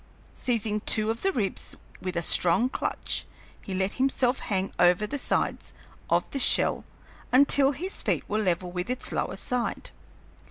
Seizing two of the ribs with a strong clutch, he let himself hang over the sides of the shell until his feet were level with its lower side.